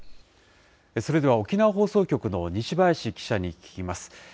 それでは沖縄放送局の西林記者に聞きます。